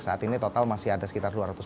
saat ini total masih ada sekitar dua ratus